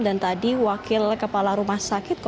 dan tadi wakil kepala rumah sakit polri